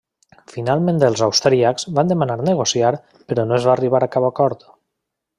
Finalment els austríacs van demanar negociar però no es va arribar a cap acord.